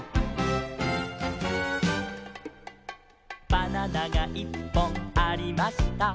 「バナナがいっぽんありました」